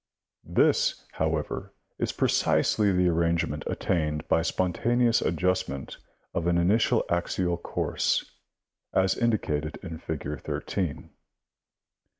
This, however, is precisely the arrangement attained hj spontaneous adjustment from an initial axial course, as indi cated in figure 13.